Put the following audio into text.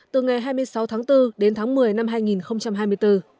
từ ngày hai mươi sáu tháng bốn đến tháng một mươi năm hai nghìn hai mươi bốn